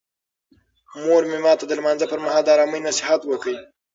مور مې ماته د لمانځه پر مهال د آرامۍ نصیحت وکړ.